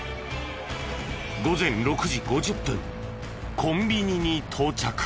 午前６時５０分コンビニに到着。